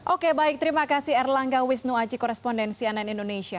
oke baik terima kasih erlangga wisnu acik koresponden cnn indonesia